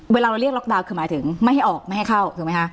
เวลาเราเรียกล็อกดาวน์คือหมายถึงไม่ให้ออกไม่ให้เข้าถูกไหมคะ